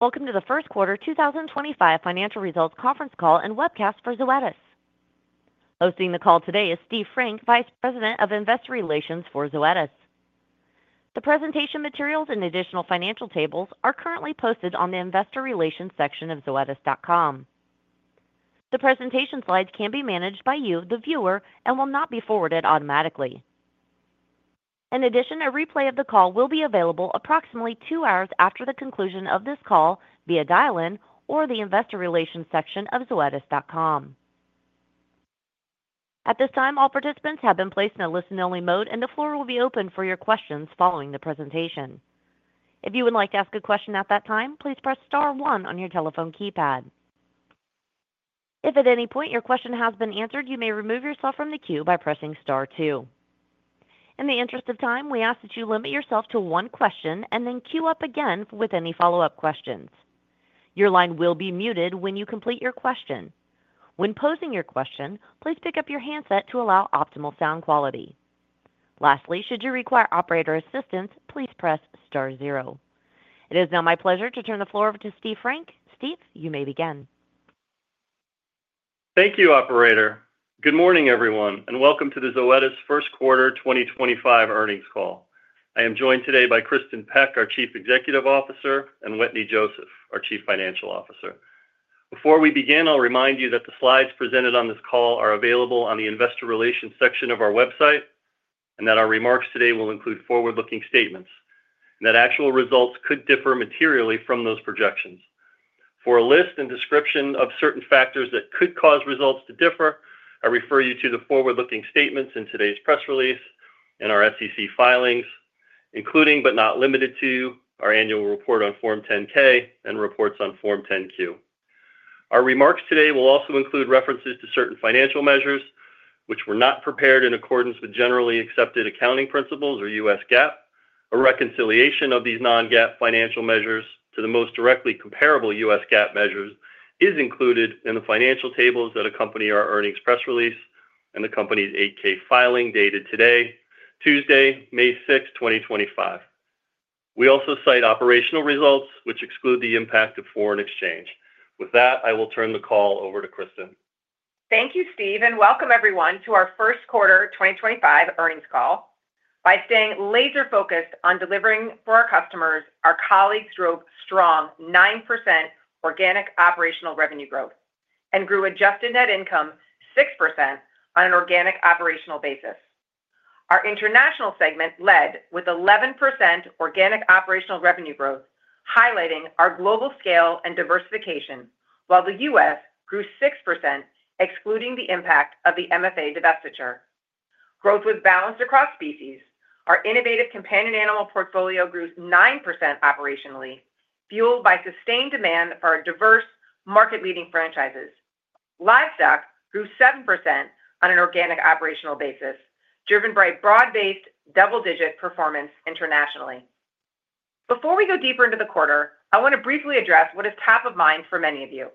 Welcome to the First Quarter 2025 Financial Results Conference Call and Webcast for Zoetis. Hosting the call today is Steve Frank, Vice President of Investor Relations for Zoetis. The presentation materials and additional financial tables are currently posted on the investor relations section of zoetis.com. The presentation slides can be managed by you, the viewer, and will not be forwarded automatically. In addition, a replay of the call will be available approximately two hours after the conclusion of this call via dial-in or the investor relations section of zoetis.com. At this time, all participants have been placed in a listen-only mode, and the floor will be open for your questions following the presentation. If you would like to ask a question at that time, please press star one on your telephone keypad. If at any point your question has been answered, you may remove yourself from the queue by pressing star two. In the interest of time, we ask that you limit yourself to one question and then queue up again with any follow-up questions. Your line will be muted when you complete your question. When posing your question, please pick up your handset to allow optimal sound quality. Lastly, should you require operator assistance, please press star zero. It is now my pleasure to turn the floor over to Steve Frank. Steve, you may begin. Thank you, Operator. Good morning, everyone, and welcome to the Zoetis first quarter 2025 earnings call. I am joined today by Kristin Peck, our Chief Executive Officer, and Wetteney Joseph, our Chief Financial Officer. Before we begin, I'll remind you that the slides presented on this call are available on the investor relations section of our website and that our remarks today will include forward-looking statements and that actual results could differ materially from those projections. For a list and description of certain factors that could cause results to differ, I refer you to the forward-looking statements in today's press release and our SEC filings, including but not limited to our annual report on Form 10-K and reports on Form 10-Q. Our remarks today will also include references to certain financial measures which were not prepared in accordance with generally accepted accounting principles or US GAAP. A reconciliation of these non-GAAP financial measures to the most directly comparable US GAAP measures is included in the financial tables that accompany our earnings press release and the company's 8-K filing dated today, Tuesday, May 6, 2025. We also cite operational results which exclude the impact of foreign exchange. With that, I will turn the call over to Kristin. Thank you, Steve, and welcome everyone to our first quarter 2025 earnings call. By staying laser-focused on delivering for our customers, our colleagues drove strong 9% organic operational revenue growth and grew adjusted net income 6% on an organic operational basis. Our international segment led with 11% organic operational revenue growth, highlighting our global scale and diversification, while the U.S. grew 6%, excluding the impact of the MFA divestiture. Growth was balanced across species. Our innovative companion animal portfolio grew 9% operationally, fueled by sustained demand for our diverse market-leading franchises. Livestock grew 7% on an organic operational basis, driven by broad-based double-digit performance internationally. Before we go deeper into the quarter, I want to briefly address what is top of mind for many of you.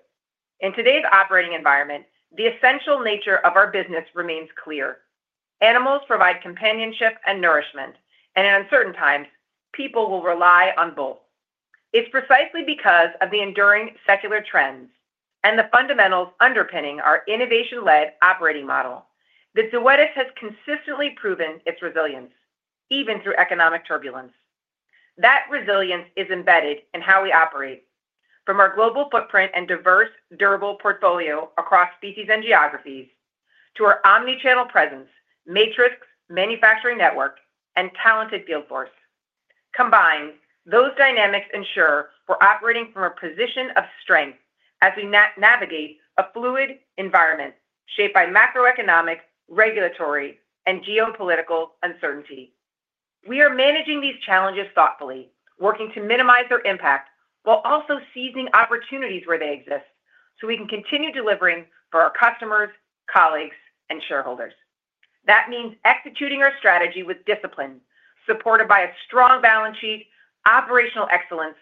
In today's operating environment, the essential nature of our business remains clear. Animals provide companionship and nourishment, and in uncertain times, people will rely on both. It's precisely because of the enduring secular trends and the fundamentals underpinning our innovation-led operating model that Zoetis has consistently proven its resilience, even through economic turbulence. That resilience is embedded in how we operate, from our global footprint and diverse durable portfolio across species and geographies to our omnichannel presence, matrix, manufacturing network, and talented field force. Combined, those dynamics ensure we're operating from a position of strength as we navigate a fluid environment shaped by macroeconomic, regulatory, and geopolitical uncertainty. We are managing these challenges thoughtfully, working to minimize their impact while also seizing opportunities where they exist so we can continue delivering for our customers, colleagues, and shareholders. That means executing our strategy with discipline, supported by a strong balance sheet, operational excellence,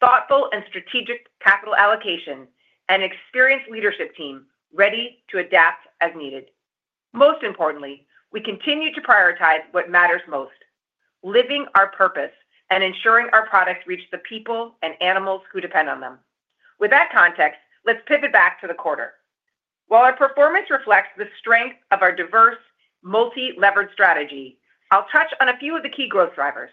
thoughtful and strategic capital allocation, and an experienced leadership team ready to adapt as needed. Most importantly, we continue to prioritize what matters most: living our purpose and ensuring our products reach the people and animals who depend on them. With that context, let's pivot back to the quarter. While our performance reflects the strength of our diverse, multi-levered strategy, I'll touch on a few of the key growth drivers.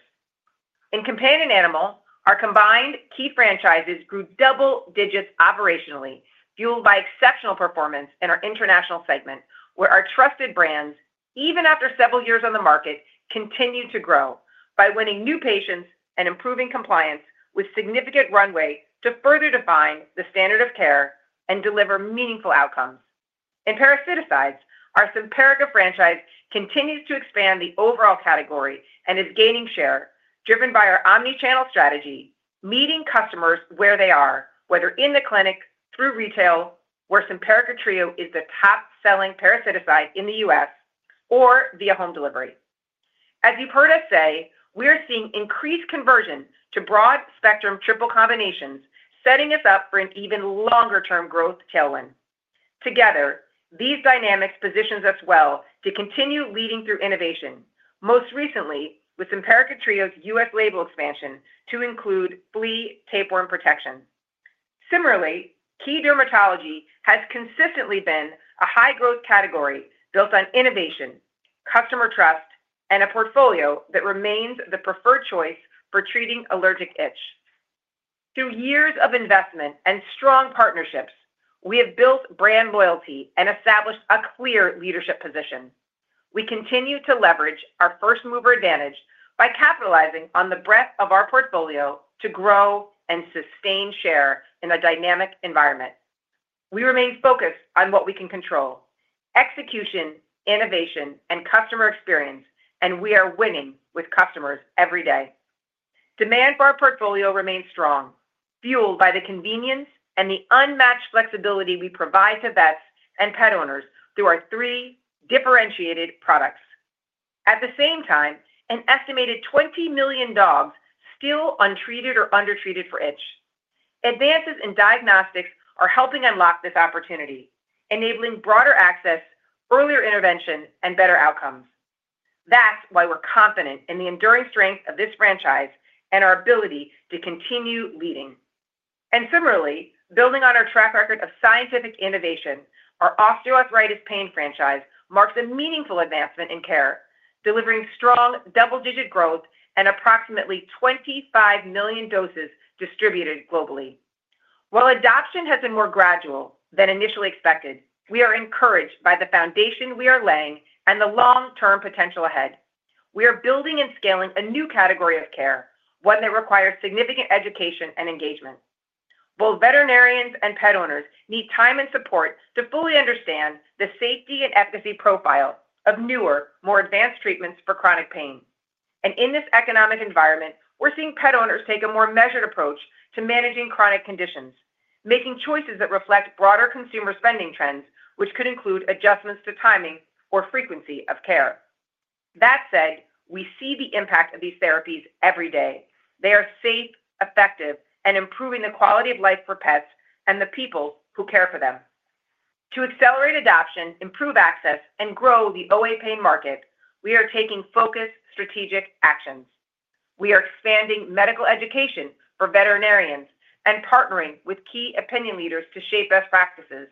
In companion animal, our combined key franchises grew double digits operationally, fueled by exceptional performance in our international segment, where our trusted brands, even after several years on the market, continue to grow by winning new patients and improving compliance with significant runway to further define the standard of care and deliver meaningful outcomes. In parasiticides, our Simparica franchise continues to expand the overall category and is gaining share, driven by our omnichannel strategy, meeting customers where they are, whether in the clinic, through retail, where Simparica Trio is the top-selling parasiticide in the US, or via home delivery. As you've heard us say, we are seeing increased conversion to broad-spectrum triple combinations, setting us up for an even longer-term growth tailwind. Together, these dynamics position us well to continue leading through innovation, most recently with Simparica Trio's US label expansion to include flea tapeworm protection. Similarly, key dermatology has consistently been a high-growth category built on innovation, customer trust, and a portfolio that remains the preferred choice for treating allergic itch. Through years of investment and strong partnerships, we have built brand loyalty and established a clear leadership position. We continue to leverage our first-mover advantage by capitalizing on the breadth of our portfolio to grow and sustain share in a dynamic environment. We remain focused on what we can control: execution, innovation, and customer experience, and we are winning with customers every day. Demand for our portfolio remains strong, fueled by the convenience and the unmatched flexibility we provide to vets and pet owners through our three differentiated products. At the same time, an estimated 20 million dogs are still untreated or undertreated for itch. Advances in diagnostics are helping unlock this opportunity, enabling broader access, earlier intervention, and better outcomes. That's why we're confident in the enduring strength of this franchise and our ability to continue leading. Similarly, building on our track record of scientific innovation, our osteoarthritis pain franchise marks a meaningful advancement in care, delivering strong double-digit growth and approximately 25 million doses distributed globally. While adoption has been more gradual than initially expected, we are encouraged by the foundation we are laying and the long-term potential ahead. We are building and scaling a new category of care, one that requires significant education and engagement. Both veterinarians and pet owners need time and support to fully understand the safety and efficacy profile of newer, more advanced treatments for chronic pain. In this economic environment, we're seeing pet owners take a more measured approach to managing chronic conditions, making choices that reflect broader consumer spending trends, which could include adjustments to timing or frequency of care. That said, we see the impact of these therapies every day. They are safe, effective, and improving the quality of life for pets and the people who care for them. To accelerate adoption, improve access, and grow the OA pain market, we are taking focused strategic actions. We are expanding medical education for veterinarians and partnering with key opinion leaders to shape best practices.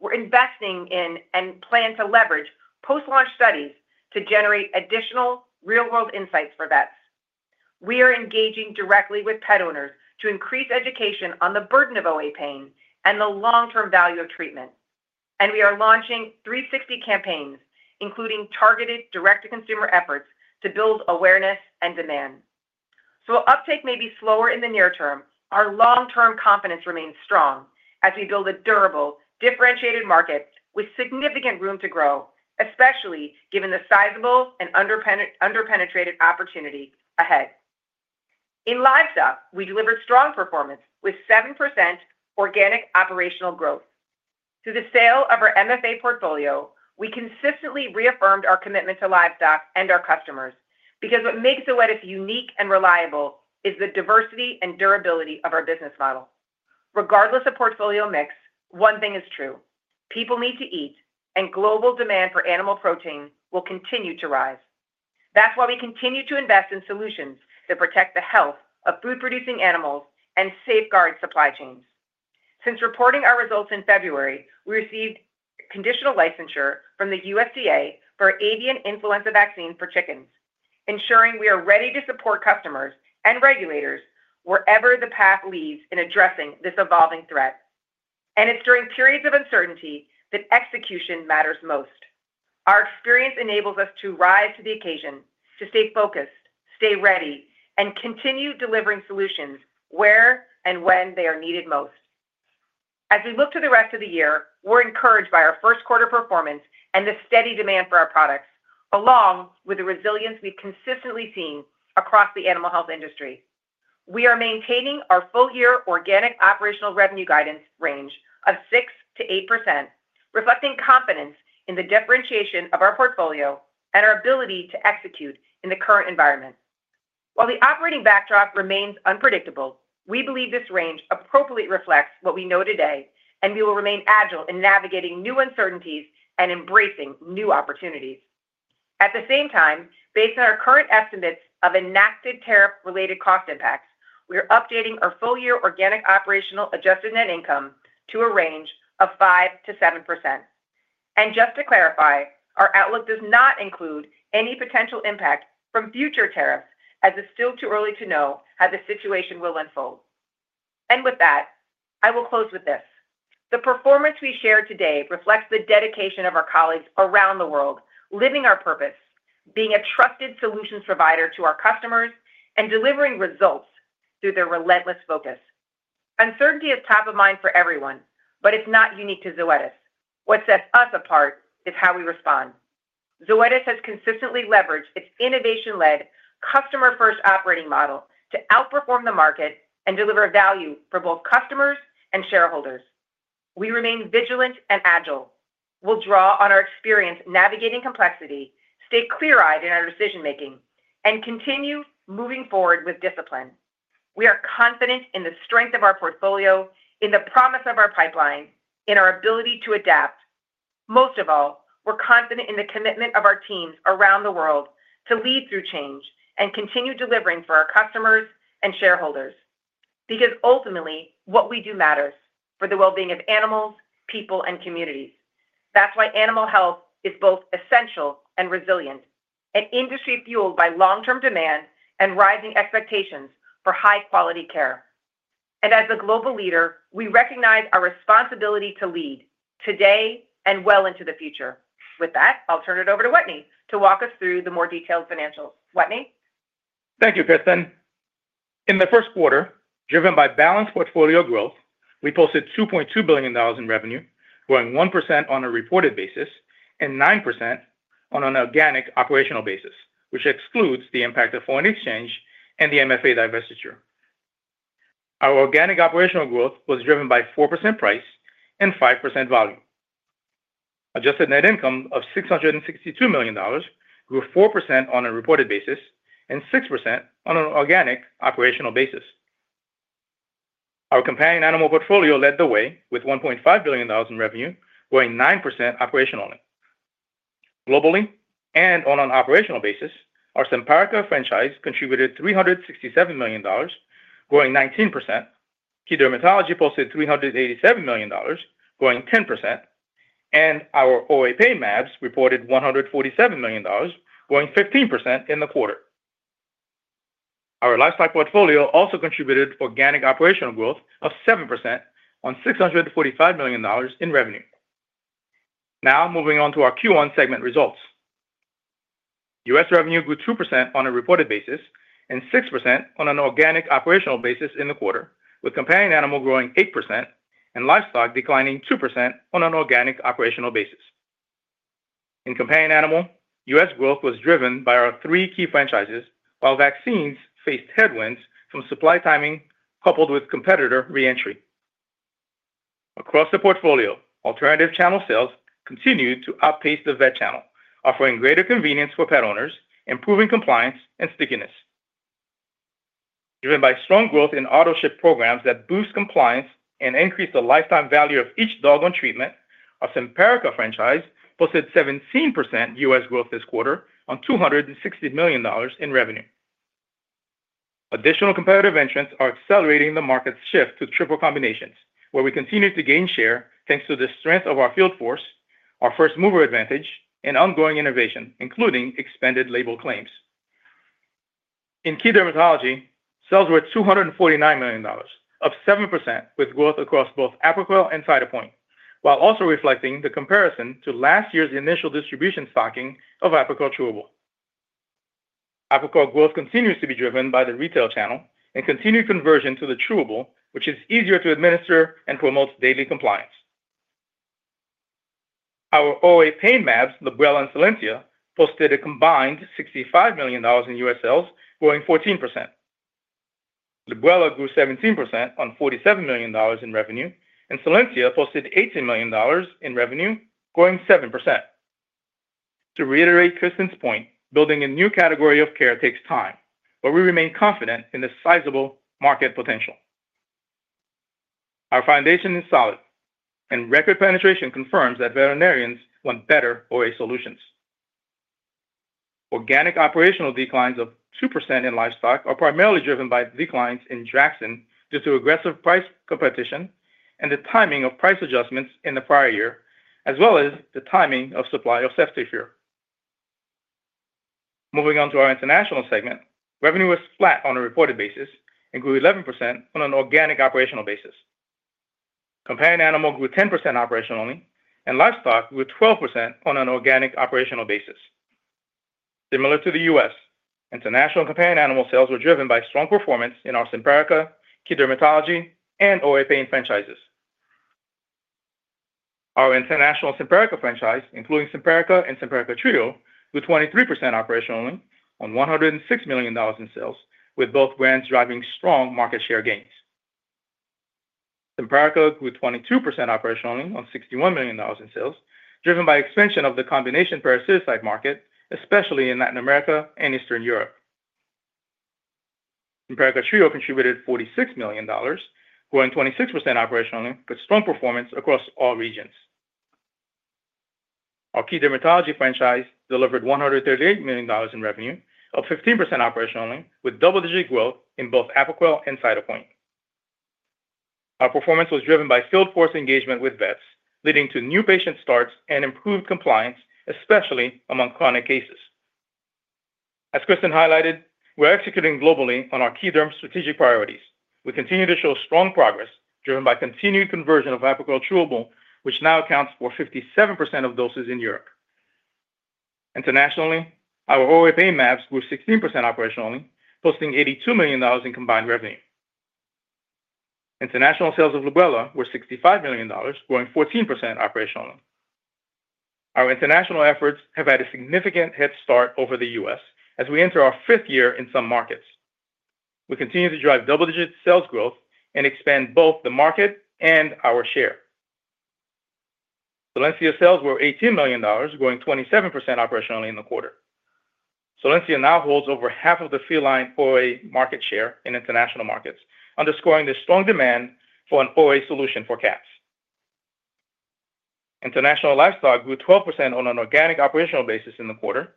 We're investing in and plan to leverage post-launch studies to generate additional real-world insights for vets. We are engaging directly with pet owners to increase education on the burden of OA pain and the long-term value of treatment. We are launching 360 campaigns, including targeted direct-to-consumer efforts to build awareness and demand. While uptake may be slower in the near term, our long-term confidence remains strong as we build a durable, differentiated market with significant room to grow, especially given the sizable and underpenetrated opportunity ahead. In livestock, we delivered strong performance with 7% organic operational growth. Through the sale of our MFA portfolio, we consistently reaffirmed our commitment to livestock and our customers because what makes Zoetis unique and reliable is the diversity and durability of our business model. Regardless of portfolio mix, one thing is true: people need to eat, and global demand for animal protein will continue to rise. That is why we continue to invest in solutions that protect the health of food-producing animals and safeguard supply chains. Since reporting our results in February, we received conditional licensure from the USDA for avian influenza vaccine for chickens, ensuring we are ready to support customers and regulators wherever the path leads in addressing this evolving threat. It is during periods of uncertainty that execution matters most. Our experience enables us to rise to the occasion, to stay focused, stay ready, and continue delivering solutions where and when they are needed most. As we look to the rest of the year, we're encouraged by our first quarter performance and the steady demand for our products, along with the resilience we've consistently seen across the animal health industry. We are maintaining our full-year organic operational revenue guidance range of 6-8%, reflecting confidence in the differentiation of our portfolio and our ability to execute in the current environment. While the operating backdrop remains unpredictable, we believe this range appropriately reflects what we know today, and we will remain agile in navigating new uncertainties and embracing new opportunities. At the same time, based on our current estimates of enacted tariff-related cost impacts, we are updating our full-year organic operational adjusted net income to a range of 5-7%. Just to clarify, our outlook does not include any potential impact from future tariffs, as it's still too early to know how the situation will unfold. I will close with this: the performance we shared today reflects the dedication of our colleagues around the world, living our purpose, being a trusted solutions provider to our customers, and delivering results through their relentless focus. Uncertainty is top of mind for everyone, but it's not unique to Zoetis. What sets us apart is how we respond. Zoetis has consistently leveraged its innovation-led, customer-first operating model to outperform the market and deliver value for both customers and shareholders. We remain vigilant and agile. We'll draw on our experience navigating complexity, stay clear-eyed in our decision-making, and continue moving forward with discipline. We are confident in the strength of our portfolio, in the promise of our pipeline, in our ability to adapt. Most of all, we're confident in the commitment of our teams around the world to lead through change and continue delivering for our customers and shareholders because ultimately, what we do matters for the well-being of animals, people, and communities. That is why animal health is both essential and resilient, an industry fueled by long-term demand and rising expectations for high-quality care. As a global leader, we recognize our responsibility to lead today and well into the future. With that, I'll turn it over to Wetteney to walk us through the more detailed financials. Wetteney. Thank you, Kristin. In the first quarter, driven by balanced portfolio growth, we posted $2.2 billion in revenue, growing 1% on a reported basis and 9% on an organic operational basis, which excludes the impact of foreign exchange and the MFA divestiture. Our organic operational growth was driven by 4% price and 5% volume. Adjusted net income of $662 million grew 4% on a reported basis and 6% on an organic operational basis. Our companion animal portfolio led the way with $1.5 billion in revenue, growing 9% operationally. Globally and on an operational basis, our Simparica franchise contributed $367 million, growing 19%. Key dermatology posted $387 million, growing 10%, and our OA pain labs reported $147 million, growing 15% in the quarter. Our livestock portfolio also contributed organic operational growth of 7% on $645 million in revenue. Now, moving on to our Q1 segment results. US revenue grew 2% on a reported basis and 6% on an organic operational basis in the quarter, with companion animal growing 8% and livestock declining 2% on an organic operational basis. In companion animal, US growth was driven by our three key franchises, while vaccines faced headwinds from supply timing coupled with competitor reentry. Across the portfolio, alternative channel sales continued to outpace the vet channel, offering greater convenience for pet owners, improving compliance and stickiness. Driven by strong growth in auto ship programs that boost compliance and increase the lifetime value of each dog on treatment, our Simparica franchise posted 17% US growth this quarter on $260 million in revenue. Additional competitive entrants are accelerating the market's shift to triple combinations, where we continue to gain share thanks to the strength of our field force, our first-mover advantage, and ongoing innovation, including expanded label claims. In key dermatology, sales were $249 million, up 7% with growth across both Apoquel and Cytopoint, while also reflecting the comparison to last year's initial distribution stocking of Apoquel Chewable. Apoquel growth continues to be driven by the retail channel and continued conversion to the Chewable, which is easier to administer and promotes daily compliance. Our OA pain labs, Librela and Solensia, posted a combined $65 million in US sales, growing 14%. Librela grew 17% on $47 million in revenue, and Solensia posted $18 million in revenue, growing 7%. To reiterate Kristin's point, building a new category of care takes time, but we remain confident in the sizable market potential. Our foundation is solid, and record penetration confirms that veterinarians want better OA solutions. Organic operational declines of 2% in livestock are primarily driven by declines in due to aggressive price competition and the timing of price adjustments in the prior year, as well as the timing of supply of Ceftiofur line. Moving on to our international segment, revenue was flat on a reported basis and grew 11% on an organic operational basis. Companion animal grew 10% operationally, and livestock grew 12% on an organic operational basis. Similar to the U.S., international companion animal sales were driven by strong performance in our Simparica, key dermatology, and OA pain franchises. Our international Simparica franchise, including Simparica and Simparica Trio, grew 23% operationally on $106 million in sales, with both brands driving strong market share gains. Simparica grew 22% operationally on $61 million in sales, driven by expansion of the combination parasiticide market, especially in Latin America and Eastern Europe. Simparica Trio contributed $46 million, growing 26% operationally, with strong performance across all regions. Our key dermatology franchise delivered $138 million in revenue, up 15% operationally, with double-digit growth in both Apoquel and Cytopoint. Our performance was driven by field force engagement with vets, leading to new patient starts and improved compliance, especially among chronic cases. As Kristin highlighted, we're executing globally on our key derm strategic priorities. We continue to show strong progress, driven by continued conversion of Apoquel Chewable, which now accounts for 57% of doses in Europe. Internationally, our OA pain labs grew 16% operationally, posting $82 million in combined revenue. International sales of Librela were $65 million, growing 14% operationally. Our international efforts have had a significant head start over the U.S. as we enter our fifth year in some markets. We continue to drive double-digit sales growth and expand both the market and our share. Solensia sales were $18 million, growing 27% operationally in the quarter. Solensia now holds over half of the feline OA market share in international markets, underscoring the strong demand for an OA solution for cats. International livestock grew 12% on an organic operational basis in the quarter.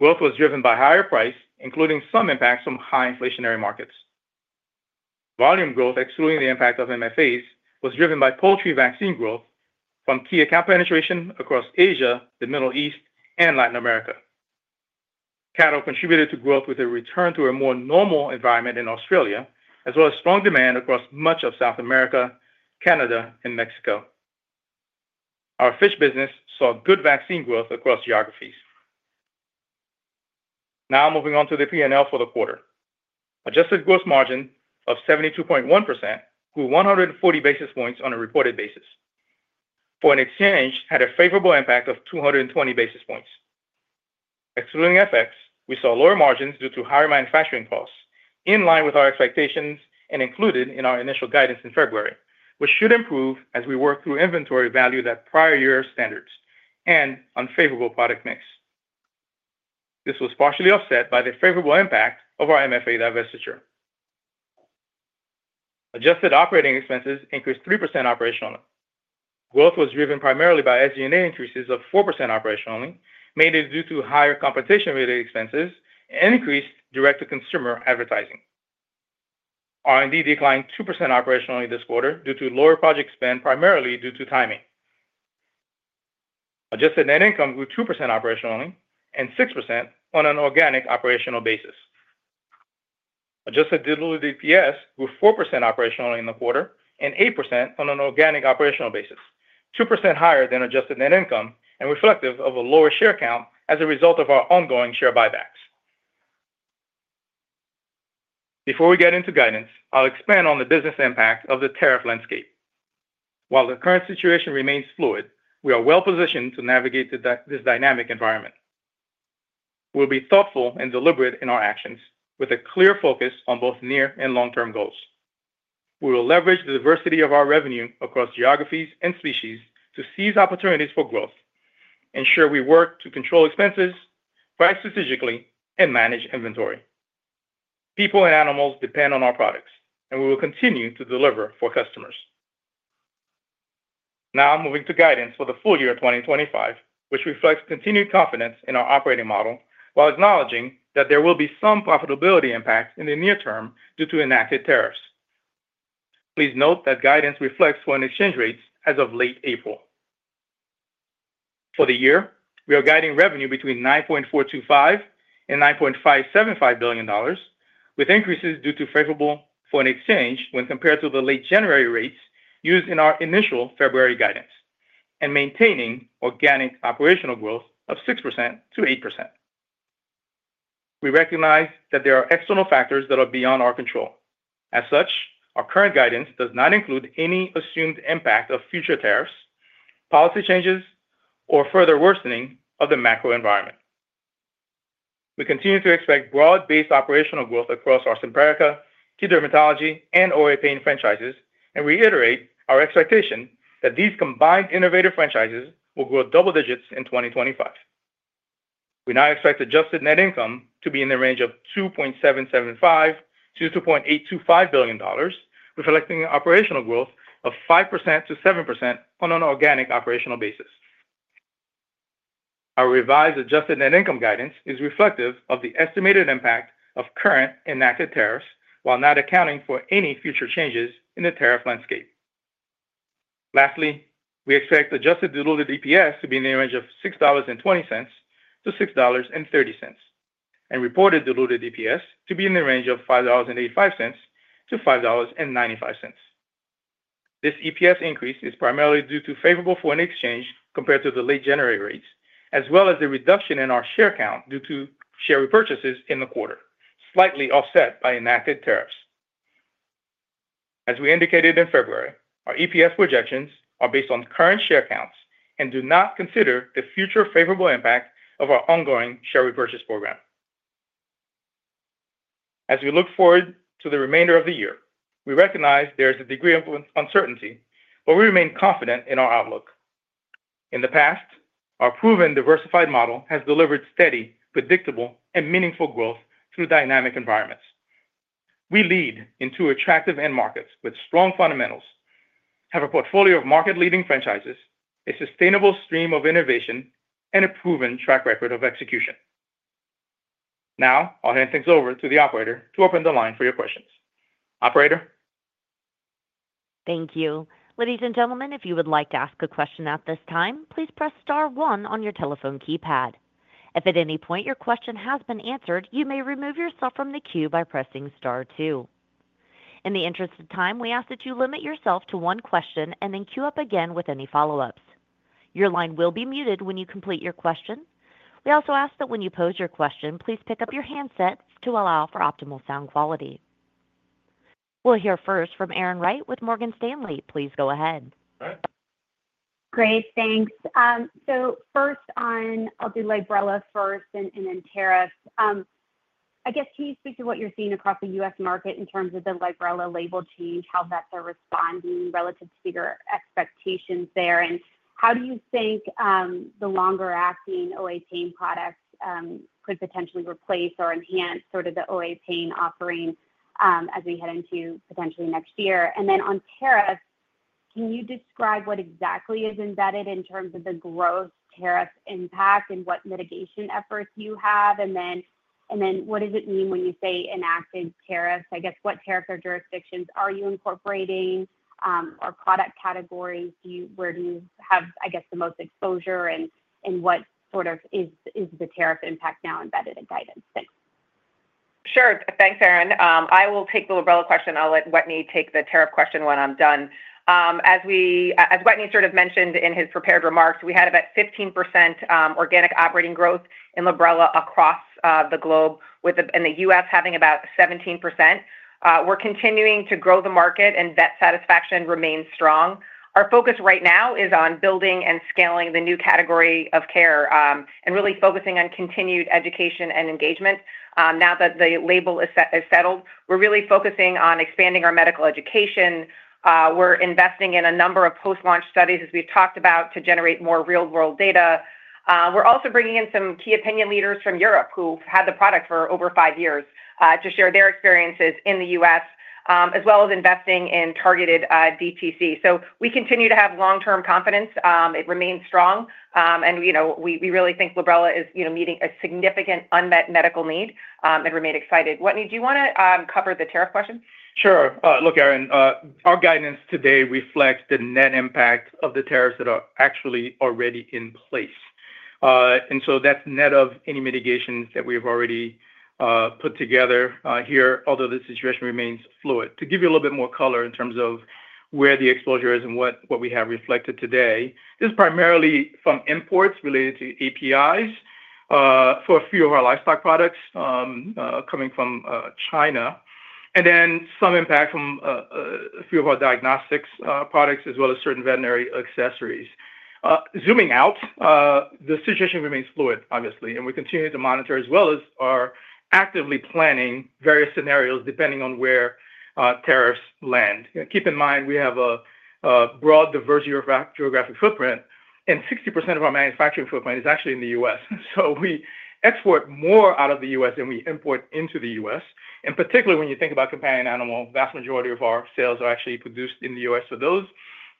Growth was driven by higher price, including some impacts from high inflationary markets. Volume growth, excluding the impact of Medicated Feed Additives, was driven by poultry vaccine growth from key account penetration across Asia, the Middle East, and Latin America. Cattle contributed to growth with a return to a more normal environment in Australia, as well as strong demand across much of South America, Canada, and Mexico. Our fish business saw good vaccine growth across geographies. Now, moving on to the P&L for the quarter. Adjusted gross margin of 72.1% grew 140 basis points on a reported basis. Foreign exchange had a favorable impact of 220 basis points. Excluding FX, we saw lower margins due to higher manufacturing costs, in line with our expectations and included in our initial guidance in February, which should improve as we work through inventory valued at prior year standards and unfavorable product mix. This was partially offset by the favorable impact of our MFA divestiture. Adjusted operating expenses increased 3% operationally. Growth was driven primarily by SG&A increases of 4% operationally, mainly due to higher competition-related expenses and increased direct-to-consumer advertising. R&D declined 2% operationally this quarter due to lower project spend, primarily due to timing. Adjusted net income grew 2% operationally and 6% on an organic operational basis. Adjusted Diluted EPS grew 4% operationally in the quarter and 8% on an organic operational basis, 2% higher than Adjusted Net Income and reflective of a lower share count as a result of our ongoing share buybacks. Before we get into guidance, I'll expand on the business impact of the tariff landscape. While the current situation remains fluid, we are well-positioned to navigate this dynamic environment. We'll be thoughtful and deliberate in our actions, with a clear focus on both near and long-term goals. We will leverage the diversity of our revenue across geographies and species to seize opportunities for growth, ensure we work to control expenses, price strategically, and manage inventory. People and animals depend on our products, and we will continue to deliver for customers. Now, moving to guidance for the full year 2025, which reflects continued confidence in our operating model, while acknowledging that there will be some profitability impact in the near term due to enacted tariffs. Please note that guidance reflects foreign exchange rates as of late April. For the year, we are guiding revenue between $9.425 billion and $9.575 billion, with increases due to favorable foreign exchange when compared to the late January rates used in our initial February guidance, and maintaining organic operational growth of 6% to 8%. We recognize that there are external factors that are beyond our control. As such, our current guidance does not include any assumed impact of future tariffs, policy changes, or further worsening of the macro environment. We continue to expect broad-based operational growth across our Simparica, key dermatology, and OA pain franchises, and reiterate our expectation that these combined innovative franchises will grow double digits in 2025. We now expect adjusted net income to be in the range of $2.775 billion-$2.825 billion, reflecting an operational growth of 5%-7% on an organic operational basis. Our revised adjusted net income guidance is reflective of the estimated impact of current enacted tariffs, while not accounting for any future changes in the tariff landscape. Lastly, we expect adjusted diluted EPS to be in the range of $6.20-$6.30, and reported diluted EPS to be in the range of $5.85-$5.95. This EPS increase is primarily due to favorable foreign exchange compared to the late January rates, as well as the reduction in our share count due to share repurchases in the quarter, slightly offset by enacted tariffs. As we indicated in February, our EPS projections are based on current share counts and do not consider the future favorable impact of our ongoing share repurchase program. As we look forward to the remainder of the year, we recognize there is a degree of uncertainty, but we remain confident in our outlook. In the past, our proven diversified model has delivered steady, predictable, and meaningful growth through dynamic environments. We lead in two attractive end markets with strong fundamentals, have a portfolio of market-leading franchises, a sustainable stream of innovation, and a proven track record of execution. Now, I'll hand things over to the operator to open the line for your questions. Thank you. Ladies and gentlemen, if you would like to ask a question at this time, please press star one on your telephone keypad. If at any point your question has been answered, you may remove yourself from the queue by pressing star two. In the interest of time, we ask that you limit yourself to one question and then queue up again with any follow-ups. Your line will be muted when you complete your question. We also ask that when you pose your question, please pick up your handset to allow for optimal sound quality. We'll hear first from Erin Wright with Morgan Stanley. Please go ahead. Great. Thanks. First, I'll do Librela first and then tariffs.I guess, can you speak to what you're seeing across the U.S. market in terms of the Librela label change, how vets are responding relative to your expectations there, and how do you think the longer-acting OA pain products could potentially replace or enhance sort of the OA pain offering as we head into potentially next year? On tariffs, can you describe what exactly is embedded in terms of the gross tariff impact and what mitigation efforts you have? What does it mean when you say enacted tariffs? I guess, what tariffs or jurisdictions are you incorporating or product categories? Where do you have, I guess, the most exposure, and what sort of is the tariff impact now embedded in guidance? Sure. Thanks, Erin. I will take the Librela question. I'll let Wetteny take the tariff question when I'm done. As Wetteny Joseph sort of mentioned in his prepared remarks, we had about 15% organic operating growth in Librela across the globe, with the U.S. having about 17%. We're continuing to grow the market, and vet satisfaction remains strong. Our focus right now is on building and scaling the new category of care and really focusing on continued education and engagement. Now that the label is settled, we're really focusing on expanding our medical education. We're investing in a number of post-launch studies, as we've talked about, to generate more real-world data. We're also bringing in some key opinion leaders from Europe who've had the product for over five years to share their experiences in the U.S., as well as investing in targeted DTC. We continue to have long-term confidence. It remains strong, and we really think Librela is meeting a significant unmet medical need. I'd remain excited. Wetteney, do you want to cover the tariff question? Sure. Look, Erin, our guidance today reflects the net impact of the tariffs that are actually already in place. That's net of any mitigations that we have already put together here, although the situation remains fluid. To give you a little bit more color in terms of where the exposure is and what we have reflected today, this is primarily from imports related to APIs for a few of our livestock products coming from China, and then some impact from a few of our diagnostics products, as well as certain veterinary accessories. Zooming out, the situation remains fluid, obviously, and we continue to monitor, as well as are actively planning various scenarios depending on where tariffs land. Keep in mind, we have a broad diversity of geographic footprint, and 60% of our manufacturing footprint is actually in the U.S. We export more out of the U.S. than we import into the U.S. Particularly when you think about companion animal, the vast majority of our sales are actually produced in the U.S. for those,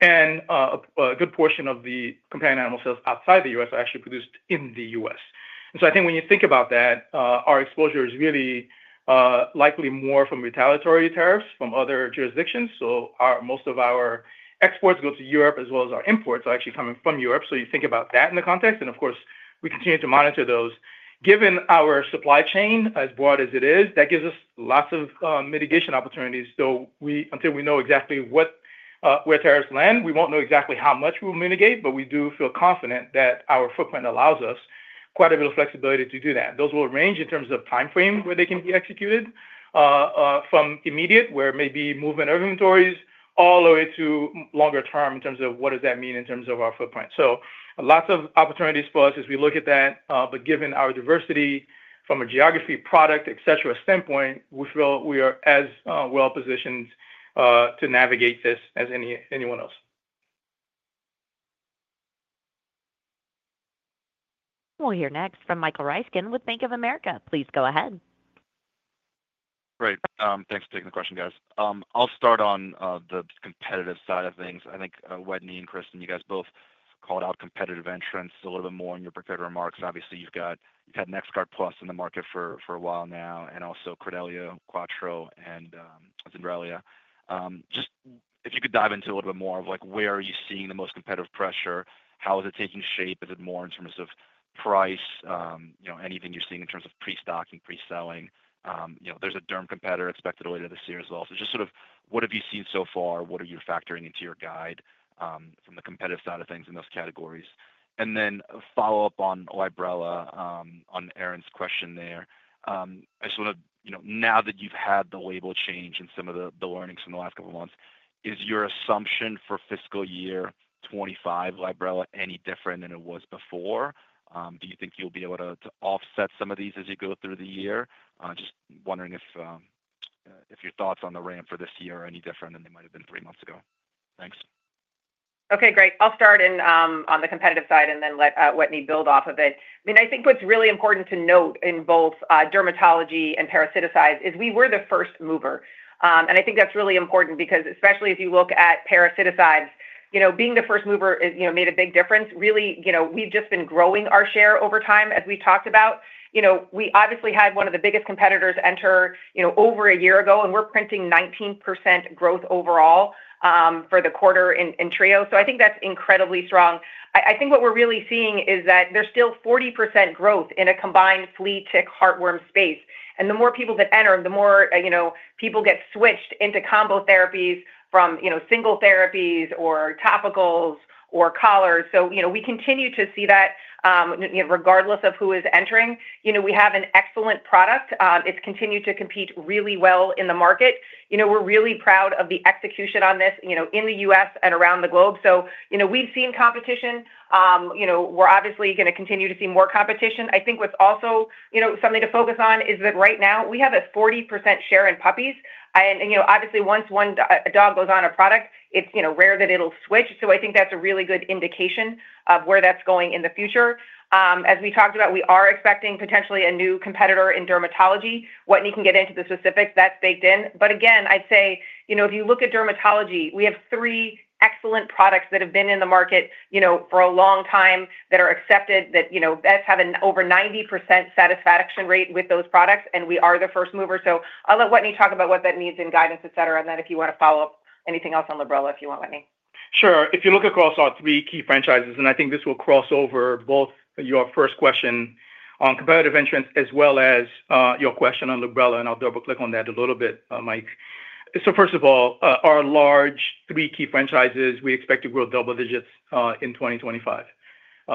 and a good portion of the companion animal sales outside the U.S. are actually produced in the U.S. I think when you think about that, our exposure is really likely more from retaliatory tariffs from other jurisdictions. Most of our exports go to Europe, as well as our imports are actually coming from Europe. You think about that in the context. Of course, we continue to monitor those. Given our supply chain as broad as it is, that gives us lots of mitigation opportunities. Until we know exactly where tariffs land, we won't know exactly how much we will mitigate, but we do feel confident that our footprint allows us quite a bit of flexibility to do that. Those will range in terms of timeframe where they can be executed, from immediate, where maybe movement of inventories, all the way to longer term in terms of what does that mean in terms of our footprint. Lots of opportunities for us as we look at that. Given our diversity from a geography, product, etc. standpoint, we feel we are as well-positioned to navigate this as anyone else. We'll hear next from Michael Ryskin with Bank of America. Please go ahead. Great. Thanks for taking the question, guys. I'll start on the competitive side of things.I think Wetteney and Kristin, you guys both called out competitive entrants a little bit more in your prepared remarks. Obviously, you've had NexGard Plus in the market for a while now, and also Credelio, Quattro and Zenrelia. If you could dive into a little bit more of where are you seeing the most competitive pressure, how is it taking shape? Is it more in terms of price, anything you're seeing in terms of pre-stocking, pre-selling? There is a derm competitor expected later this year as well. Just sort of what have you seen so far? What are you factoring into your guide from the competitive side of things in those categories? Then follow-up on Librela, on Erin's question there. I just want to, now that you've had the label change and some of the learnings from the last couple of months, is your assumption for fiscal year 2025, Librela, any different than it was before? Do you think you'll be able to offset some of these as you go through the year? Just wondering if your thoughts on the ramp for this year are any different than they might have been three months ago. Thanks. Okay. Great. I'll start on the competitive side and then let Wetteney build off of it. I mean, I think what's really important to note in both dermatology and parasiticides is we were the first mover. I think that's really important because especially as you look at parasiticides, being the first mover made a big difference. Really, we've just been growing our share over time, as we've talked about. We obviously had one of the biggest competitors enter over a year ago, and we're printing 19% growth overall for the quarter in Trio. I think that's incredibly strong. I think what we're really seeing is that there's still 40% growth in a combined flea tick, heartworm space. The more people that enter, the more people get switched into combo therapies from single therapies or topicals or collars. We continue to see that regardless of who is entering. We have an excellent product. It's continued to compete really well in the market. We're really proud of the execution on this in the U.S. and around the globe. We've seen competition. We're obviously going to continue to see more competition. I think what's also something to focus on is that right now we have a 40% share in puppies. Obviously, once a dog goes on a product, it's rare that it'll switch. I think that's a really good indication of where that's going in the future. As we talked about, we are expecting potentially a new competitor in dermatology. Wetteney can get into the specifics. That's baked in. Again, I'd say if you look at dermatology, we have three excellent products that have been in the market for a long time that are accepted, that vets have an over 90% satisfaction rate with those products, and we are the first mover. I'll let Wetteney talk about what that means in guidance, etc. If you want to follow up anything else on Librela, if you want, Wetteney. Sure. If you look across our three key franchises, and I think this will cross over both your first question on competitive entrance, as well as your question on Librela, and I'll double-click on that a little bit, Mike. First of all, our large three key franchises, we expect to grow double digits in 2025.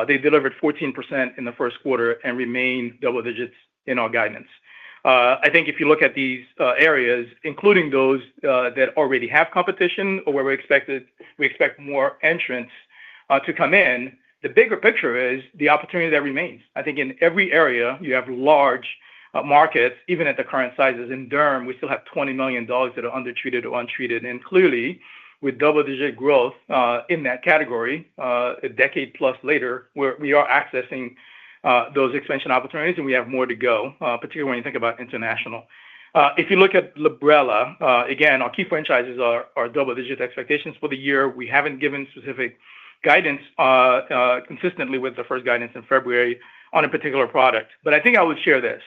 They delivered 14% in the first quarter and remain double digits in our guidance. I think if you look at these areas, including those that already have competition or where we expect more entrants to come in, the bigger picture is the opportunity that remains. I think in every area, you have large markets, even at the current sizes. In derm, we still have $20 million that are undertreated or untreated. Clearly, with double-digit growth in that category, a decade-plus later, we are accessing those expansion opportunities, and we have more to go, particularly when you think about international. If you look at Librela, again, our key franchises are double-digit expectations for the year. We have not given specific guidance consistently with the first guidance in February on a particular product. I think I would share this.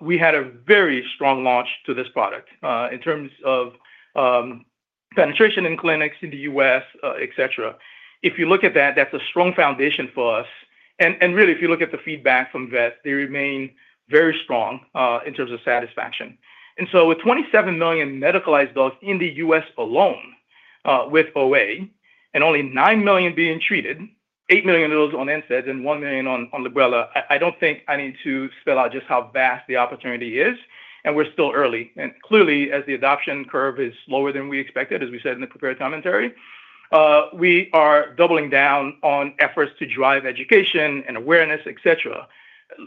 We had a very strong launch to this product in terms of penetration in clinics in the U.S., etc. If you look at that, that is a strong foundation for us. Really, if you look at the feedback from vets, they remain very strong in terms of satisfaction. With 27 million medicalized dogs in the U.S. alone with OA and only 9 million being treated, 8 million of those on NSAIDs and 1 million on Librela, I do not think I need to spell out just how vast the opportunity is. We are still early. Clearly, as the adoption curve is lower than we expected, as we said in the prepared commentary, we are doubling down on efforts to drive education and awareness, etc.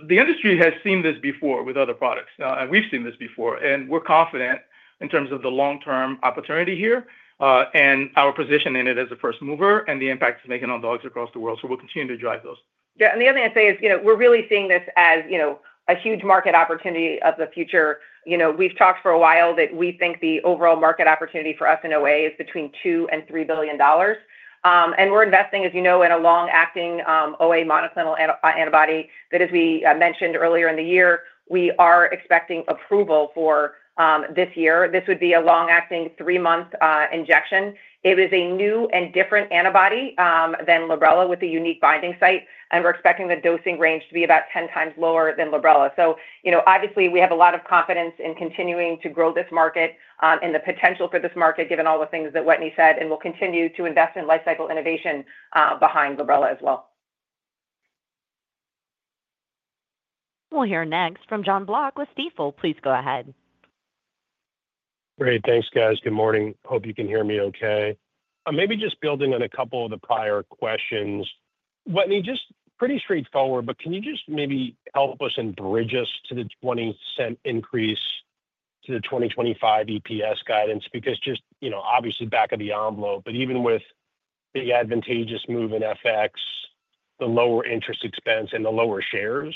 The industry has seen this before with other products, and we have seen this before. We are confident in terms of the long-term opportunity here and our position in it as a first mover and the impact it is making on dogs across the world. We will continue to drive those. Yeah. The other thing I would say is we are really seeing this as a huge market opportunity of the future. We've talked for a while that we think the overall market opportunity for us in OA is between $2 billion and $3 billion. We're investing, as you know, in a long-acting OA monoclonal antibody that, as we mentioned earlier in the year, we are expecting approval for this year. This would be a long-acting three-month injection. It is a new and different antibody than Librela with a unique binding site. We're expecting the dosing range to be about 10 times lower than Librela. Obviously, we have a lot of confidence in continuing to grow this market and the potential for this market, given all the things that Wetteney said, and we'll continue to invest in life cycle innovation behind Librela as well. We'll hear next from John Block with Stifel. Please go ahead. Great. Thanks, guys. Good morning. Hope you can hear me okay. Maybe just building on a couple of the prior questions, Wetteny just pretty straightforward, but can you just maybe help us and bridge us to the $0.20 increase to the 2025 EPS guidance, because just, obviously back of the envelope. But even with the advantageous move in FX, the lower interest expense, and the lower shares,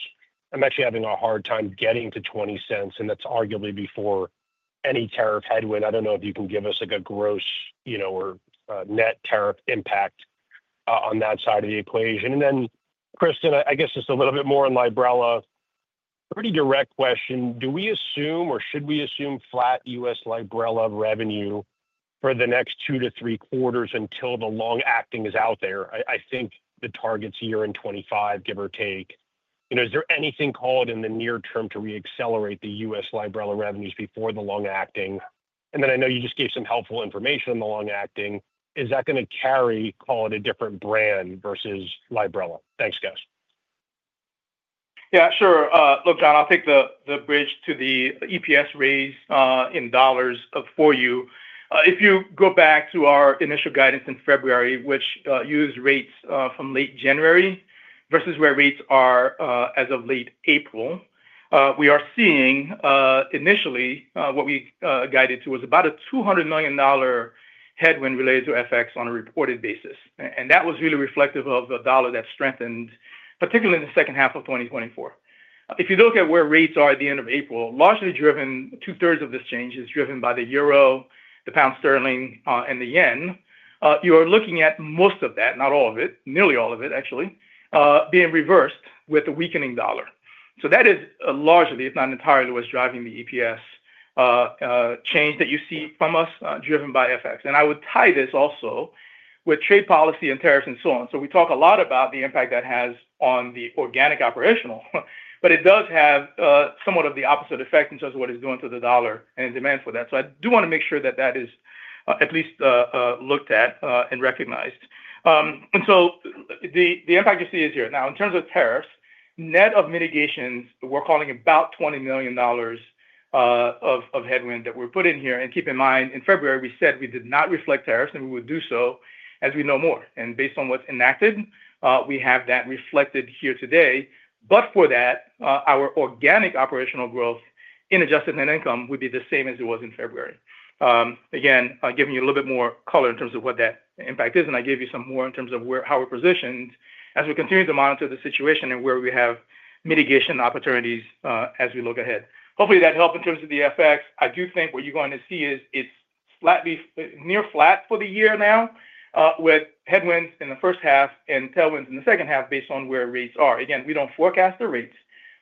I'm actually having a hard time getting to $0.20 and that's arguably before any tariff headwind. I don't know if you can give us like, a gross, or net tariff impact on that side of the equation. And then, Kristin, I guess, just a little bit more on Librela. Pretty direct question, do we assume or ashould we assume flat U.S. Librela revenue for the next two to three quarters until the long-acting is out there? I think the targets here in '25, give or take. Is there anything called in the near term to re-accelerate the U.S. Librela revenues before the long-acting? I know you just gave some helpful information on the long-acting. Is that going to carry, call it a different brand versus Librela? Thanks, guys. Yeah, sure. Look, John, I'll take the bridge to the EPS raise in dollars for you. If you go back to our initial guidance in February, which used rates from late January versus where rates are as of late April, we are seeing initially what we guided to was about a $200 million headwind related to FX on a reported basis. That was really reflective of the dollar that strengthened, particularly in the second half of 2024. If you look at where rates are at the end of April, largely driven, two-thirds of this change is driven by the euro, the pound sterling, and the yen. You are looking at most of that, not all of it, nearly all of it, actually, being reversed with a weakening dollar. That is largely, if not entirely, what is driving the EPS change that you see from us driven by FX. I would tie this also with trade policy and tariffs and so on. We talk a lot about the impact that has on the organic operational, but it does have somewhat of the opposite effect in terms of what it is doing to the dollar and demand for that. I do want to make sure that that is at least looked at and recognized. The impact you see is here. Now, in terms of tariffs, net of mitigations, we're calling about $20 million of headwind that we're putting here. Keep in mind, in February, we said we did not reflect tariffs and we would do so as we know more. Based on what's enacted, we have that reflected here today. Other than that, our organic operational growth in adjusted net income would be the same as it was in February. Again, giving you a little bit more color in terms of what that impact is. I gave you some more in terms of how we're positioned as we continue to monitor the situation and where we have mitigation opportunities as we look ahead. Hopefully, that helped in terms of the FX. I do think what you're going to see is it's slightly near flat for the year now with headwinds in the first half and tailwinds in the second half based on where rates are. Again, we don't forecast the rates.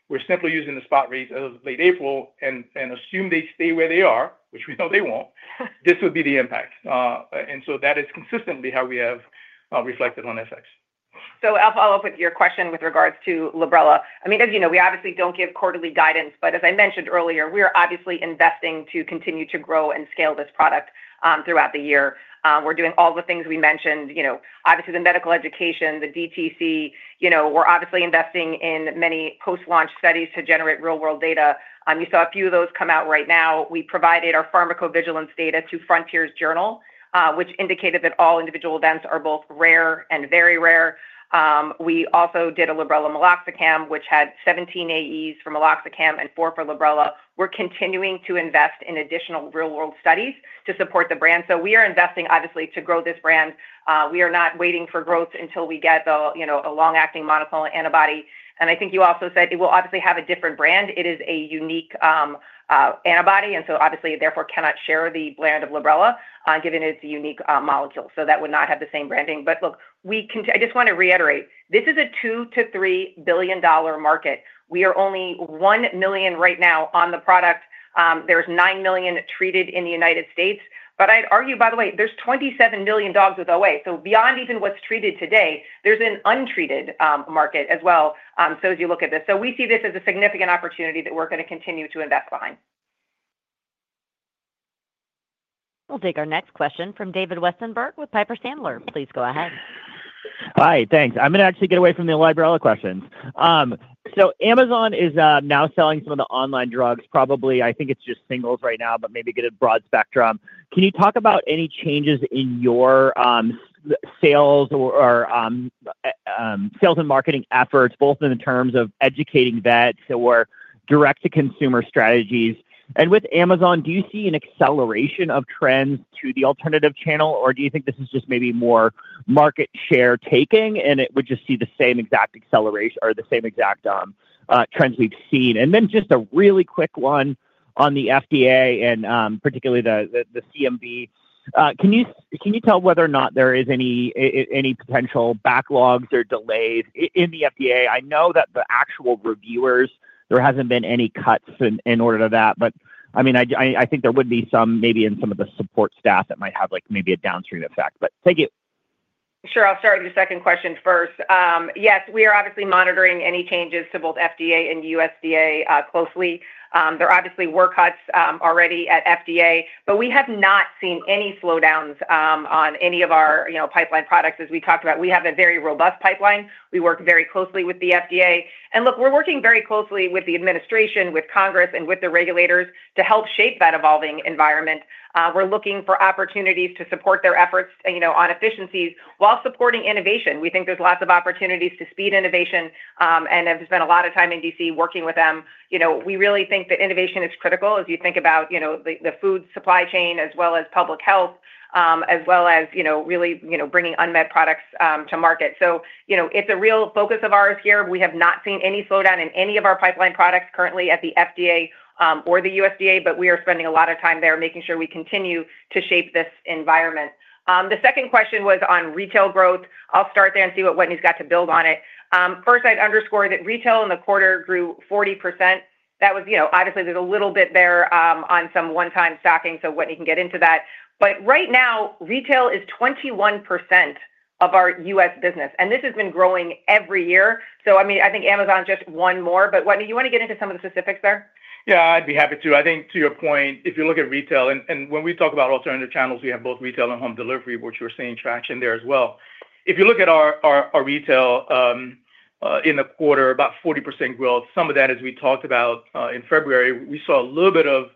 We're simply using the spot rates as of late April and assume they stay where they are, which we know they won't. This would be the impact. That is consistently how we have reflected on FX. I'll follow up with your question with regards to Librela. I mean, as you know, we obviously don't give quarterly guidance, but as I mentioned earlier, we are obviously investing to continue to grow and scale this product throughout the year. We're doing all the things we mentioned. Obviously, the medical education, the DTC. We're obviously investing in many post-launch studies to generate real-world data. You saw a few of those come out right now. We provided our pharmacovigilance data to Frontiers Journal, which indicated that all individual events are both rare and very rare. We also did a Librela-Meloxicam, which had 17 AEs for Meloxicam and four for Librela. We're continuing to invest in additional real-world studies to support the brand. We are investing, obviously, to grow this brand. We are not waiting for growth until we get a long-acting monoclonal antibody. I think you also said it will obviously have a different brand. It is a unique antibody. Obviously, therefore, it cannot share the brand of Librela given its unique molecule. That would not have the same branding. Look, I just want to reiterate, this is a $2 billion-$3 billion market. We are only $1 million right now on the product. There's 9 million treated in the United States. I'd argue, by the way, there's 27 million dogs with OA. Beyond even what's treated today, there's an untreated market as well. As you look at this, we see this as a significant opportunity that we're going to continue to invest behind. We'll take our next question from David Westenberg with Piper Sandler. Please go ahead. Hi, thanks. I'm going to actually get away from the Librela questions. Amazon is now selling some of the online drugs, probably. I think it's just singles right now, but maybe get a broad spectrum. Can you talk about any changes in your sales or sales and marketing efforts, both in terms of educating vets or direct-to-consumer strategies? With Amazon, do you see an acceleration of trends to the alternative channel, or do you think this is just maybe more market share taking and we just see the same exact acceleration or the same exact trends we've seen? A really quick one on the FDA and particularly the CMB. Can you tell whether or not there is any potential backlogs or delays in the FDA? I know that the actual reviewers, there hasn't been any cuts in order to that. I think there would be some maybe in some of the support staff that might have maybe a downstream effect. Thank you. Sure. I'll start with the second question first. Yes, we are obviously monitoring any changes to both FDA and USDA closely. There obviously were cuts already at FDA, but we have not seen any slowdowns on any of our pipeline products. As we talked about, we have a very robust pipeline. We work very closely with the FDA. Look, we're working very closely with the administration, with Congress, and with the regulators to help shape that evolving environment. We're looking for opportunities to support their efforts on efficiencies while supporting innovation. We think there's lots of opportunities to speed innovation. I've spent a lot of time in DC working with them. We really think that innovation is critical as you think about the food supply chain as well as public health, as well as really bringing unmet products to market. It is a real focus of ours here. We have not seen any slowdown in any of our pipeline products currently at the FDA or the USDA, but we are spending a lot of time there making sure we continue to shape this environment. The second question was on retail growth. I'll start there and see what Wetteney's got to build on it. First, I'd underscore that retail in the quarter grew 40%. That was obviously there's a little bit there on some one-time stocking, so Wetteney can get into that. Right now, retail is 21% of our US business. This has been growing every year. I mean, I think Amazon just won more. Wetteney, you want to get into some of the specifics there? Yeah, I'd be happy to. I think to your point, if you look at retail, and when we talk about alternative channels, we have both retail and home delivery, which we're seeing traction there as well. If you look at our retail in the quarter, about 40% growth. Some of that, as we talked about in February, we saw a little bit of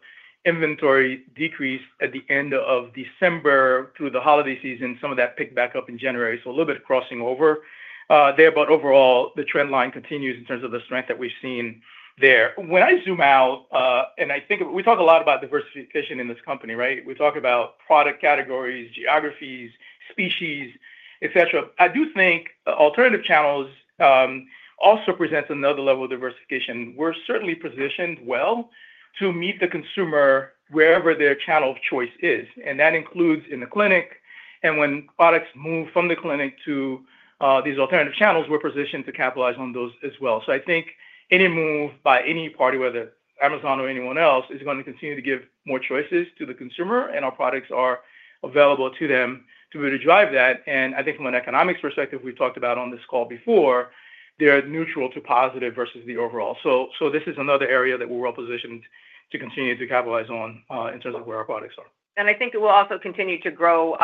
inventory decrease at the end of December through the holiday season. Some of that picked back up in January. A little bit crossing over there. Overall, the trend line continues in terms of the strength that we've seen there. When I zoom out, and I think we talk a lot about diversification in this company, right? We talk about product categories, geographies, species, etc. I do think alternative channels also present another level of diversification. We're certainly positioned well to meet the consumer wherever their channel of choice is. That includes in the clinic. When products move from the clinic to these alternative channels, we are positioned to capitalize on those as well. I think any move by any party, whether Amazon or anyone else, is going to continue to give more choices to the consumer. Our products are available to them to be able to drive that. I think from an economics perspective, we have talked about on this call before, they are neutral to positive versus the overall. This is another area that we are well positioned to continue to capitalize on in terms of where our products are. I think it will also continue to grow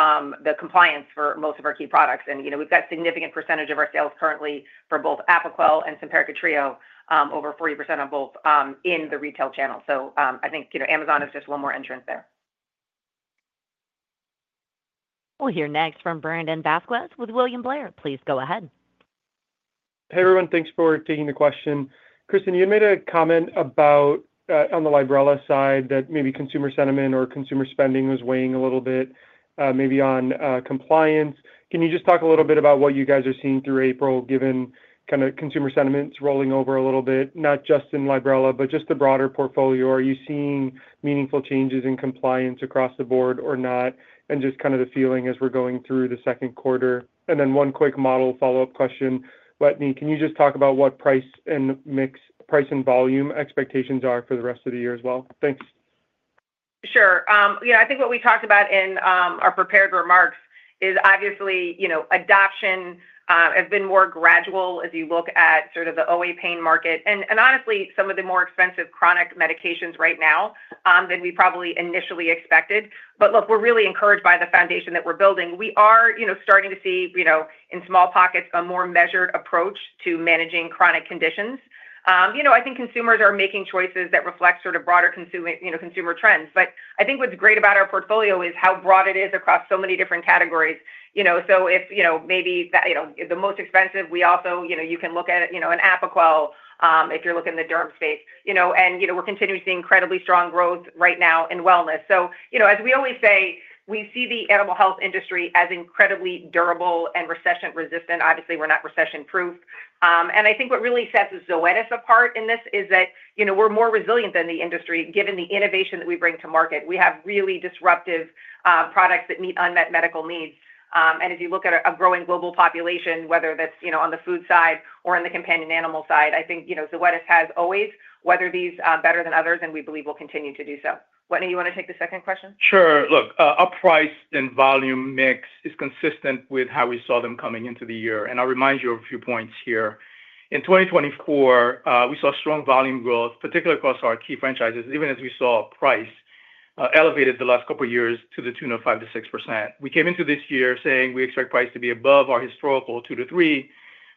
the compliance for most of our key products. We have a significant percentage of our sales currently for both Apoquel and Simparica Trio, over 40% on both in the retail channel. I think Amazon is just one more entrant there. We'll hear next from Brandon Vazquez with William Blair. Please go ahead. Hey, everyone. Thanks for taking the question. Kristin, you had made a comment on the Librela side that maybe consumer sentiment or consumer spending was weighing a little bit maybe on compliance. Can you just talk a little bit about what you guys are seeing through April, given kind of consumer sentiments rolling over a little bit, not just in Librela, but just the broader portfolio? Are you seeing meaningful changes in compliance across the board or not? Just kind of the feeling as we're going through the second quarter. One quick model follow-up question. Wetteney, can you just talk about what price and mix, price and volume expectations are for the rest of the year as well? Thanks. Sure. Yeah, I think what we talked about in our prepared remarks is obviously adoption has been more gradual as you look at sort of the OA pain market. And honestly, some of the more expensive chronic medications right now than we probably initially expected. Look, we're really encouraged by the foundation that we're building. We are starting to see in small pockets a more measured approach to managing chronic conditions. I think consumers are making choices that reflect sort of broader consumer trends. I think what's great about our portfolio is how broad it is across so many different categories. If maybe the most expensive, you also can look at an Apoquel if you're looking at the derm space. We're continuing to see incredibly strong growth right now in wellness. As we always say, we see the animal health industry as incredibly durable and recession-resistant. Obviously, we're not recession-proof. I think what really sets Zoetis apart in this is that we're more resilient than the industry, given the innovation that we bring to market. We have really disruptive products that meet unmet medical needs. If you look at a growing global population, whether that's on the food side or in the companion animal side, I think Zoetis has always weathered these better than others, and we believe we'll continue to do so. Wetteney, you want to take the second question? Sure. Look, our price and volume mix is consistent with how we saw them coming into the year. I'll remind you of a few points here. In 2024, we saw strong volume growth, particularly across our key franchises, even as we saw price elevated the last couple of years to the tune of 5-6%. We came into this year saying we expect price to be above our historical 2-3%,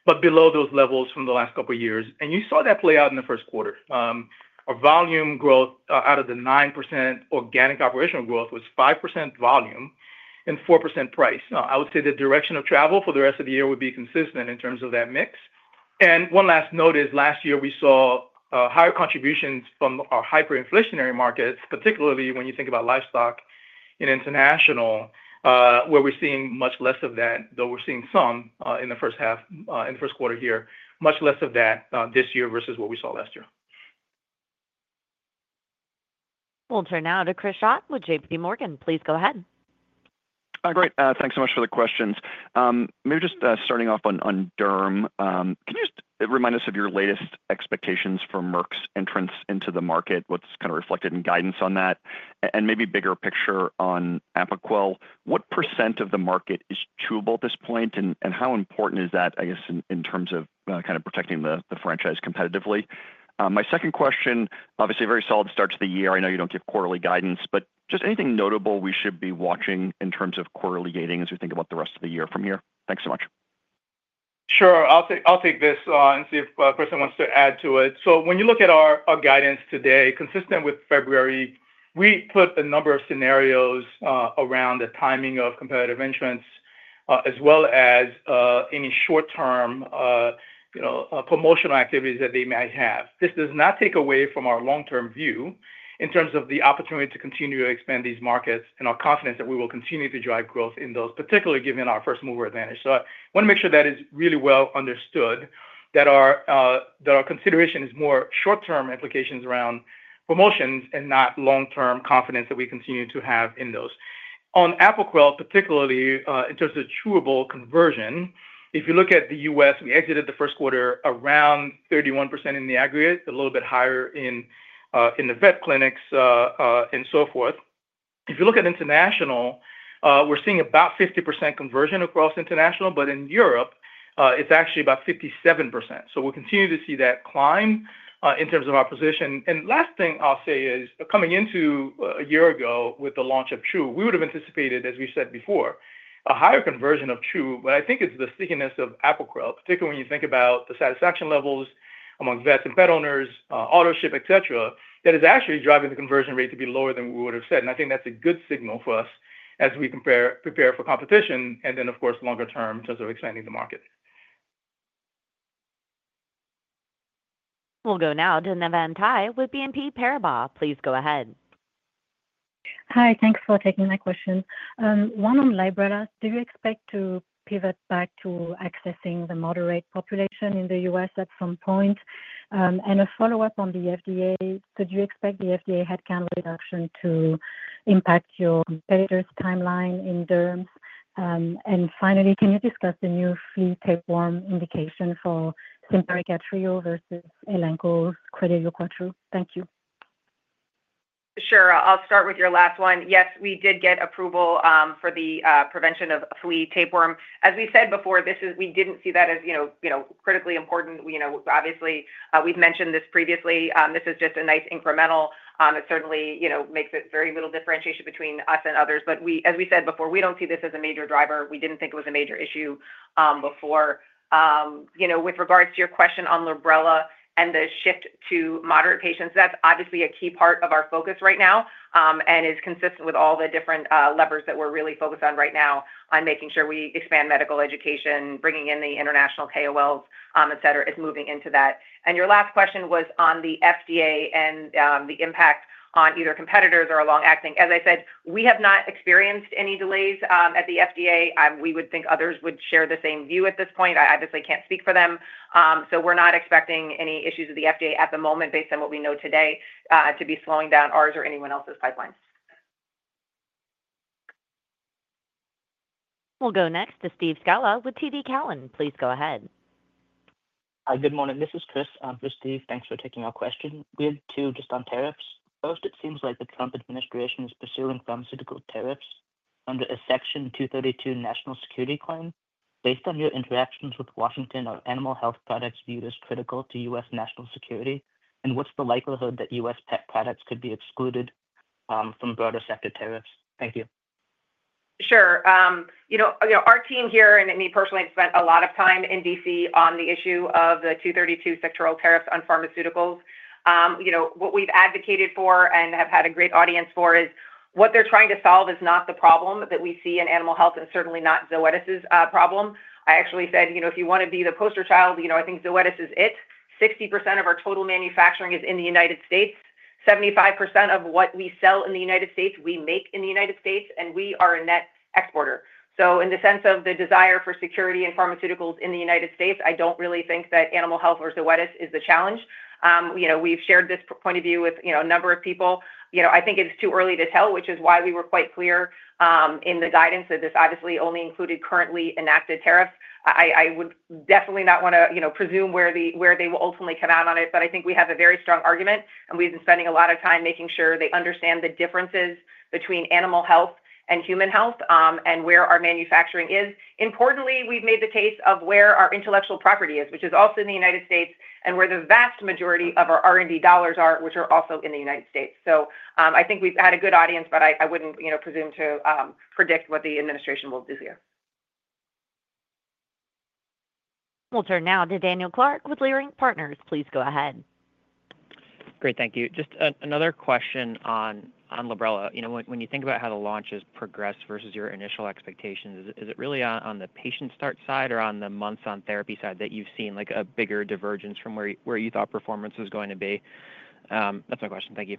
but below those levels from the last couple of years. You saw that play out in the first quarter. Our volume growth out of the 9% organic operational growth was 5% volume and 4% price. I would say the direction of travel for the rest of the year would be consistent in terms of that mix. One last note is last year we saw higher contributions from our hyperinflationary markets, particularly when you think about livestock and international, where we're seeing much less of that, though we're seeing some in the first half, in the first quarter here, much less of that this year versus what we saw last year. We'll turn now to Chris Schott with JP Morgan. Please go ahead. Great. Thanks so much for the questions. Maybe just starting off on derm, can you remind us of your latest expectations for Merck's entrance into the market? What's kind of reflected in guidance on that? Maybe bigger picture on Apoquel, what % of the market is chewable at this point? How important is that, I guess, in terms of kind of protecting the franchise competitively? My second question, obviously a very solid start to the year. I know you don't give quarterly guidance, but just anything notable we should be watching in terms of quarterly gating as we think about the rest of the year from here? Thanks so much. Sure. I'll take this and see if Kristin wants to add to it. When you look at our guidance today, consistent with February, we put a number of scenarios around the timing of competitive entrance as well as any short-term promotional activities that they might have. This does not take away from our long-term view in terms of the opportunity to continue to expand these markets and our confidence that we will continue to drive growth in those, particularly given our first mover advantage. I want to make sure that is really well understood, that our consideration is more short-term implications around promotions and not long-term confidence that we continue to have in those. On Apoquel, particularly in terms of chewable conversion, if you look at the U.S., we exited the first quarter around 31% in the aggregate, a little bit higher in the vet clinics and so forth. If you look at international, we're seeing about 50% conversion across international, but in Europe, it's actually about 57%. We will continue to see that climb in terms of our position. Last thing I'll say is coming into a year ago with the launch of Chew, we would have anticipated, as we said before, a higher conversion of Chew, but I think it's the stickiness of Apoquel, particularly when you think about the satisfaction levels among vets and pet owners, auto ship, etc., that is actually driving the conversion rate to be lower than we would have said. I think that's a good signal for us as we prepare for competition and then, of course, longer term in terms of expanding the market. We'll go now to Navann Ty with BNP Paribas. Please go ahead. Hi, thanks for taking my question. One on Librela, do you expect to pivot back to accessing the moderate population in the U.S. at some point? And a follow-up on the FDA, do you expect the FDA headcount reduction to impact your competitors' timeline in derms? Finally, can you discuss the new flea tapeworm indication for Simparica Trio versus Elanco's Credelio Quattro? Thank you. Sure. I'll start with your last one. Yes, we did get approval for the prevention of flea tapeworm. As we said before, we didn't see that as critically important. Obviously, we've mentioned this previously. This is just a nice incremental. It certainly makes it very little differentiation between us and others. As we said before, we don't see this as a major driver. We didn't think it was a major issue before. With regards to your question on Librela and the shift to moderate patients, that's obviously a key part of our focus right now and is consistent with all the different levers that we're really focused on right now on making sure we expand medical education, bringing in the international KOLs, etc., is moving into that. Your last question was on the FDA and the impact on either competitors or long-acting. As I said, we have not experienced any delays at the FDA. We would think others would share the same view at this point. I obviously can't speak for them. We're not expecting any issues with the FDA at the moment based on what we know today to be slowing down ours or anyone else's pipelines. We'll go next to Steve Scala with TD Cowen. Please go ahead. Hi, good morning. This is Chris. I'm Chris Steve. Thanks for taking our question. We had two just on tariffs. First, it seems like the Trump administration is pursuing pharmaceutical tariffs under a Section 232 national security claim. Based on your interactions with Washington, are animal health products viewed as critical to U.S. national security? And what's the likelihood that U.S. pet products could be excluded from broader sector tariffs? Thank you. Sure. Our team here, and me personally, have spent a lot of time in D.C. on the issue of the 232 sectoral tariffs on pharmaceuticals. What we've advocated for and have had a great audience for is what they're trying to solve is not the problem that we see in animal health and certainly not Zoetis's problem. I actually said, if you want to be the poster child, I think Zoetis is it. 60% of our total manufacturing is in the United States. 75% of what we sell in the United States, we make in the United States, and we are a net exporter. In the sense of the desire for security in pharmaceuticals in the United States, I don't really think that animal health or Zoetis is the challenge. We've shared this point of view with a number of people. I think it is too early to tell, which is why we were quite clear in the guidance that this obviously only included currently enacted tariffs. I would definitely not want to presume where they will ultimately come out on it, but I think we have a very strong argument, and we've been spending a lot of time making sure they understand the differences between animal health and human health and where our manufacturing is. Importantly, we've made the case of where our intellectual property is, which is also in the United States, and where the vast majority of our R&D dollars are, which are also in the United States. I think we've had a good audience, but I wouldn't presume to predict what the administration will do here. We'll turn now to Daniel Clark with Leerink Partners. Please go ahead. Great. Thank you. Just another question on Librela. When you think about how the launch has progressed versus your initial expectations, is it really on the patient start side or on the months on therapy side that you've seen a bigger divergence from where you thought performance was going to be? That's my question. Thank you.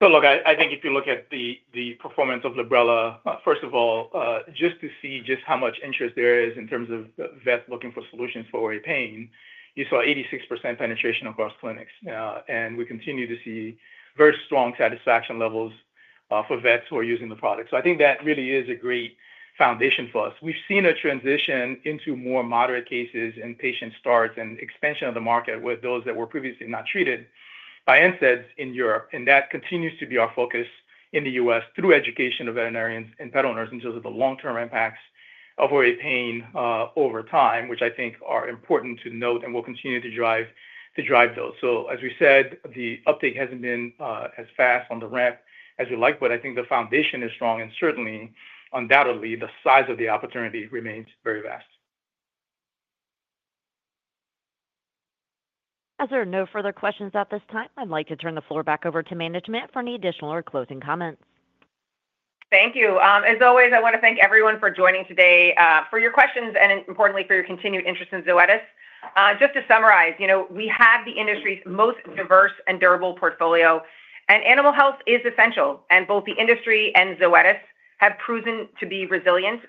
Look, I think if you look at the performance of Librela, first of all, just to see just how much interest there is in terms of vets looking for solutions for pain, you saw 86% penetration across clinics. We continue to see very strong satisfaction levels for vets who are using the product. I think that really is a great foundation for us. We've seen a transition into more moderate cases and patient starts and expansion of the market with those that were previously not treated by NSAIDs in Europe. That continues to be our focus in the U.S. through education of veterinarians and pet owners in terms of the long-term impacts of pain over time, which I think are important to note and will continue to drive those. As we said, the uptake has not been as fast on the ramp as we like, but I think the foundation is strong and certainly, undoubtedly, the size of the opportunity remains very vast. As there are no further questions at this time, I'd like to turn the floor back over to management for any additional or closing comments. Thank you. As always, I want to thank everyone for joining today for your questions and, importantly, for your continued interest in Zoetis. Just to summarize, we have the industry's most diverse and durable portfolio, and animal health is essential. Both the industry and Zoetis have proven to be resilient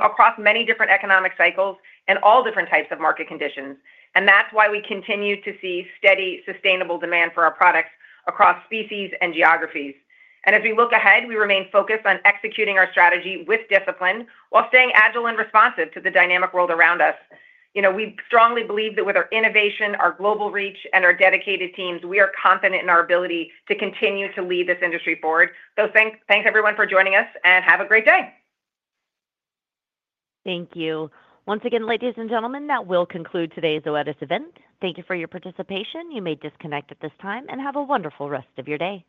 across many different economic cycles and all different types of market conditions. That is why we continue to see steady, sustainable demand for our products across species and geographies. As we look ahead, we remain focused on executing our strategy with discipline while staying agile and responsive to the dynamic world around us. We strongly believe that with our innovation, our global reach, and our dedicated teams, we are confident in our ability to continue to lead this industry forward. Thanks, everyone, for joining us, and have a great day. Thank you. Once again, ladies and gentlemen, that will conclude today's Zoetis event. Thank you for your participation. You may disconnect at this time and have a wonderful rest of your day.